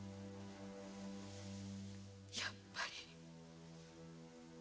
やっぱり。